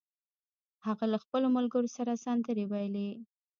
هغه له خپلو ملګرو سره سندرې ویلې